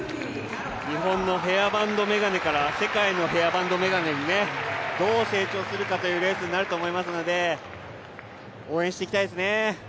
日本のヘアバンド眼鏡から、世界のヘアバンド眼鏡にどう成長するかになりますので応援していきたいですね。